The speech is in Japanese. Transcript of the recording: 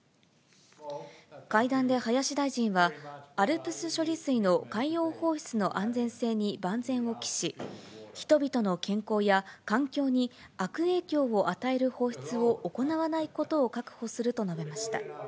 会談で林大臣は、ＡＬＰＳ処理水の海洋放出の安全性に万全を期し、人々の健康や環境に悪影響を与える放出を行わないことを確保すると述べました。